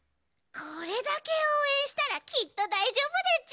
これだけおうえんしたらきっとだいじょうぶだち！